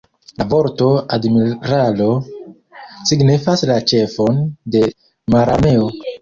La vorto "admiralo" signifas la ĉefon de mararmeo.